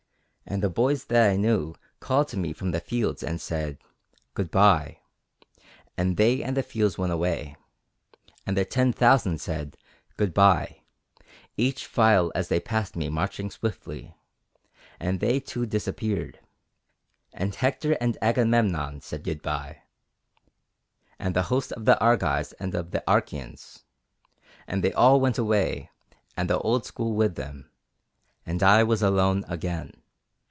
And the boys that I knew called to me from the fields, and said 'Goodbye,' and they and the fields went away; and the Ten Thousand said 'Goodbye,' each file as they passed me marching swiftly, and they too disappeared. And Hector and Agamemnon said 'Goodbye,' and the host of the Argives and of the Achæans; and they all went away and the old school with them, and I was alone again.